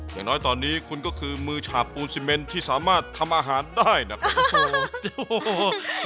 อย่างน้อยตอนนี้คุณก็คือมือฉาบปูนซีเมนที่สามารถทำอาหารได้นะครับ